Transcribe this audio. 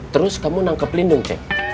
terus kamu nangkep lindung ceng